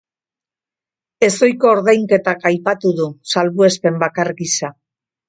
Ezohiko ordainketak aipatu du salbuespen bakar gisa.